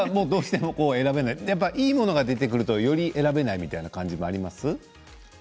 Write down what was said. やっぱりいいものが出てくるとより選べないということがありますか？